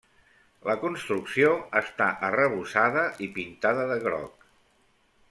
La construcció està arrebossada i pintada de groc.